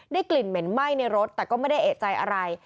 กลิ่นเหม็นไหม้ในรถแต่ก็ไม่ได้เอกใจอะไร